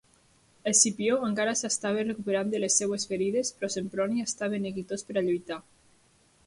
Escipió encara s'estava recuperant de les seves ferides però Semproni estava neguitós per a lluitar.